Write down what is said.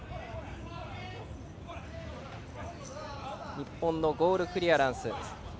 日本のゴールクリアランス。